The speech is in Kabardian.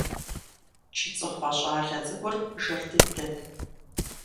ЧыцӀыхъуэ щӀалэ цӀыкӀур жэр дыдэт.